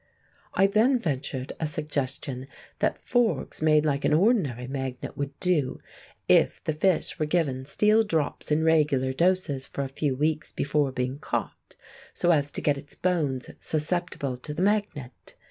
I then ventured a suggestion that forks made like an ordinary magnet would do, if the fish were given steel drops in regular doses for a few weeks before being caught, so as to get its bones susceptible to the magnet.